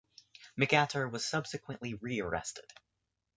McAteer was subsequently rearrested.